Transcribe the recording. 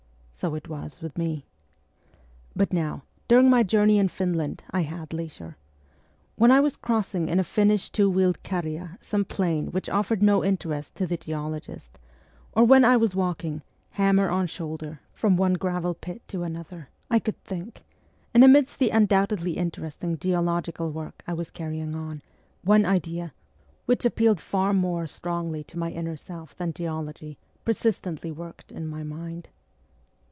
So it was with me. But now, during my journey in Finland, I had leisure. When I was crossing in a Finnish two wheeled karria some plain which offered no interest to the geologist, or when I was walking, hammer on shoulder, from one gravel pit to another, I could think ; and, amidst the undoubtedly interesting geological work I was carrying on, one idea, which appealed far more VOL. II. C 18 MEMOIRS OF A REVOLUTIONIST strongly to my inner self than geology, persistently worked in my mind.